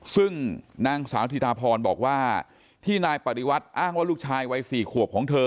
ซึ่งนางสาวธิตาพรบอกว่าที่นายปริวัติอ้างว่าลูกชายวัย๔ขวบของเธอ